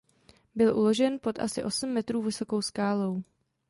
Byl uložen pod asi osm metrů vysokou skálou.